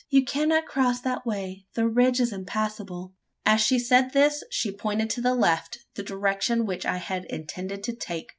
You cannot cross that way: the ridge is impassable." As she said this, she pointed to the left the direction which I had intended to take.